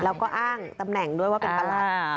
แล้วก็อ้างตำแหน่งด้วยว่าเป็นประหลัด